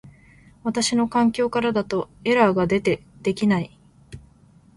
私の環境からだとエラーが出て出来ない